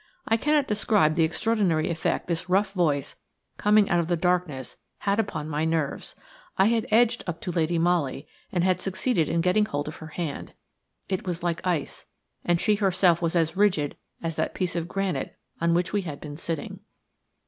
I cannot describe the extraordinary effect this rough voice coming out of the darkness had upon my nerves. I had edged up to Lady Molly, and had succeeded in getting hold of her hand. It was like ice, and she herself was as rigid as that piece of granite on which we had been sitting.